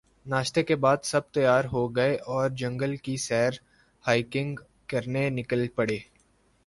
ناشتے کے بعد سب تیار ہو گئے اور جنگل کی سیر ہائیکنگ کرنے نکل پڑے